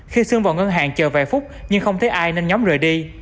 khi sương vào ngân hàng chờ vài phút nhưng không thấy ai nên nhóm rời đi